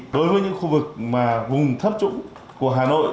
đối với những khu vực mà vùng thấp trũng của hà nội